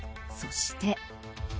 そして。